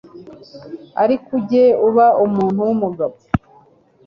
ariko ujye uba umuntu wumugabo